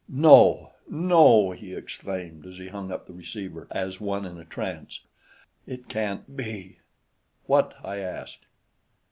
"My God!" he exclaimed as he hung up the receiver as one in a trance. "It can't be!" "What?" I asked.